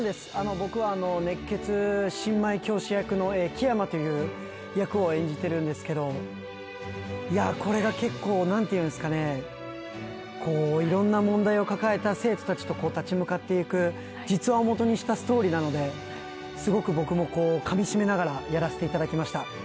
僕は熱血新米教師役の樹山という役を演じてるんですけども、いや、これが結構、なんていうんですかね、いろんな問題を抱えた生徒たちと立ち向かっていく実話を基にしたストーリーなので、すごく僕もかみしめながらやらせていただきました。